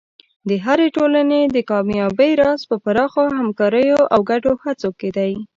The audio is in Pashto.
د هرې ټولنې د کامیابۍ راز په پراخو همکاریو او ګډو هڅو کې دی.